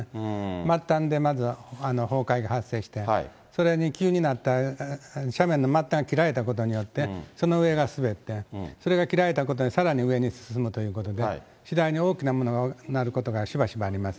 末端でまず崩壊が発生して、それに急になった、斜面の末端が切られたことによって、その上が滑って、それが切られたことでさらに上に進むということで、次第に大きくなることがしばしばあります。